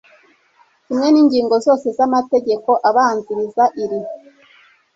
kimwe n ingingo zose z amategeko abanziriza iri